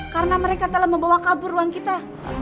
karena mereka telah membawa kabur ruang kita